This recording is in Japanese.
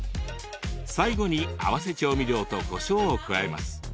最後に合わせ調味料とこしょうを加えます。